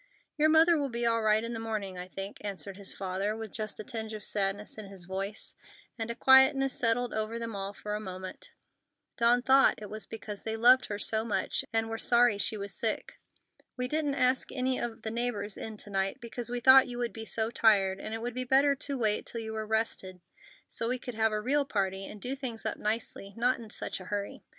"Your mother will be all right in the morning, I think," answered his father, with just a tinge of sadness in his voice; and a quietness settled over them all for a moment. Dawn thought it was because they loved her so much and were sorry she was sick. "We didn't ask any of the neighbors in to night, because we thought you would be so tired, and it would be better to wait till you were rested, so we could have a real party and do things up nicely, not in such a hurry.